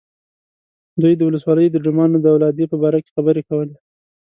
دوی د ولسوالۍ د ډمانو د اولادې په باره کې خبرې کولې.